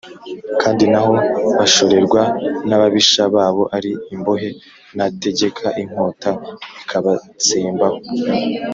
Kandi naho bashorerwa n’ababisha babo ari imbohe nategeka inkota ikabatsembaho